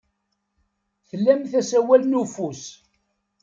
Tlamt asawal n ufus.